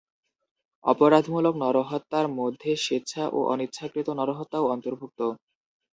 অপরাধমূলক নরহত্যার মধ্যে স্বেচ্ছা ও অনিচ্ছাকৃত নরহত্যাও অন্তর্ভুক্ত।